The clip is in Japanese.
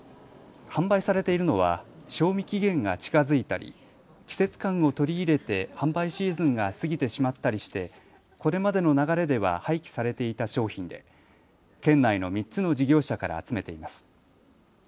販売されているのは賞味期限が近づいたり季節感を取り入れて販売シーズンが過ぎてしまったりしてこれまでの流れでは廃棄されていた商品で県内の３つの事業者から集めています。